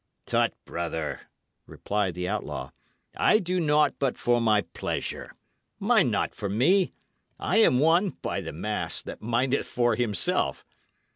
"Tut, brother," replied the outlaw, "I do naught but for my pleasure. Mind not for me. I am one, by the mass, that mindeth for himself.